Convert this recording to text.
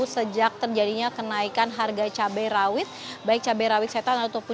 sejak terjadinya kenaikan harga cabai rawit baik cabai rawit setan